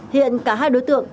hiện cả hai đối tượng